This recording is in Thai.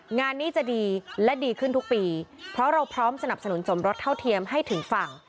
งานนี้จะดีและดีขึ้นทุกปีเพราะเราพร้อมสนับสนุนสมรสเท่าเทียมให้ถึงฝั่ง